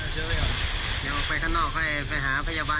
เดี๋ยวไปข้างนอกวิบัติก็หาพยาบาล